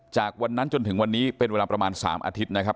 จากวันนั้นจนถึงวันนี้เป็นเวลาประมาณ๓อาทิตย์นะครับ